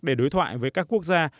để đối thoại với các quốc gia